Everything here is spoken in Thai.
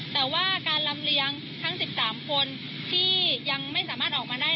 แต่ว่าการลำเลียงทั้ง๑๓คนที่ยังไม่สามารถออกมาได้